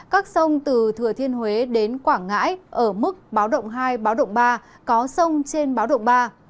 các sông từ thừa thiên huế đến quảng ngãi ở mức báo động hai báo động ba có sông trên báo động ba